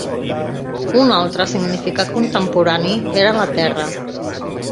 Un altre significat contemporani era la terra.